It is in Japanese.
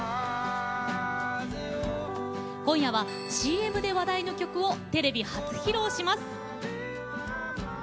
今夜は、ＣＭで話題の曲をテレビ初披露します。